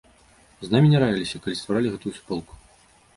З намі не раіліся, калі стваралі гэтую суполку.